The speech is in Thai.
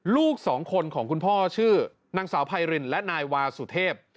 ลูกสองคนของคุณพ่อชื่อนางสาวไพรินและนายวาสุเทพ